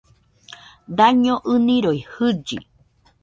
Daño ɨnɨroi jɨlli